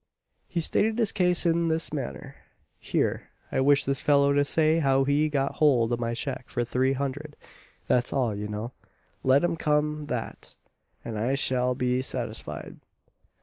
He stated his case in this manner: "Here I wish this fellow to say how he got hold o' my cheque for three hundred that's all, you know; let him come that, and I shall be satisfied.